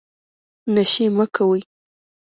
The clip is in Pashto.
نشې مه کوئ